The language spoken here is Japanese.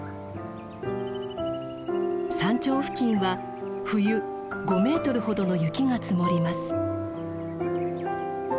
山頂付近は冬５メートルほどの雪が積もります。